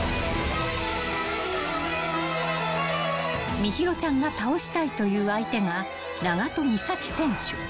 ［心優ちゃんが倒したいという相手が長門美咲選手］